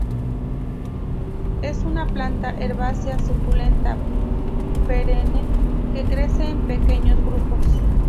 Es una planta herbácea suculenta, perenne que crece en pequeños grupos.